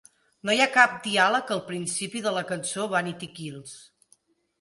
No hi ha cap diàleg al principi de la cançó "Vanity Kills".